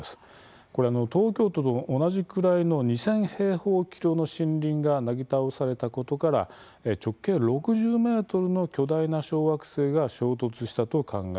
東京都と同じくらいの２０００平方キロの森林がなぎ倒されたことから直径６０ｍの巨大な小惑星が衝突したと考えられています。